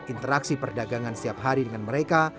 interaksi perdagangan setiap hari dengan mereka